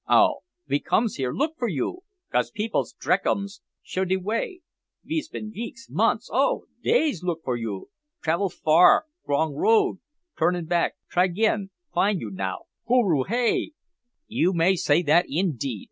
"Oh! ve comes here look for yoo, 'cause peepils d'reck 'ums show de way. Ve's been veeks, monts, oh! days look for yoo. Travil far g'rong road turin bak try agin fin' yoo now hooroo hay!" "You may say that, indeed.